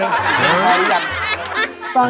อาหารการกิน